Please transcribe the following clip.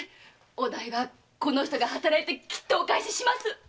お代はこの人が働いてきっとお返しします！